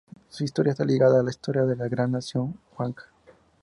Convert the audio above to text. Su historia está ligada a la historia de la gran nación Wanka.